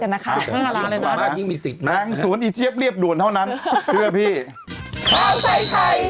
นางศูนย์อีเจี๊ยบเรียบด่วนเท่านั้นเพื่อพี่